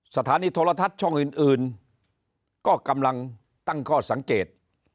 สถานีโทรทัศน์ช่องอื่นก็กำลังตั้งข้อสังเกต